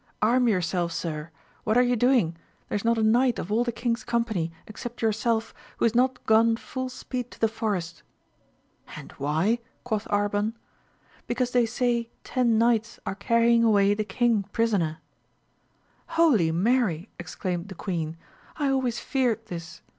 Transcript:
Arm yourself, sir ! what are you doing? there is not a knight of all the king's company, except yourself, who is not gone full speed to the forest. And why ] quoth Arban. — Because they say ten knights are carrying away the king prisoner. Holy Mary ! exclaimed the queen ; I always feared this